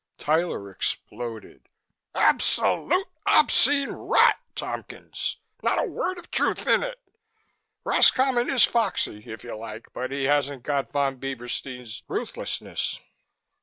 Tyler exploded. "Absolute, obscene rot, Tompkins! Not a word of truth in it. Roscommon is foxy, if you like, but he hasn't got Von Bieberstein's ruthlessness.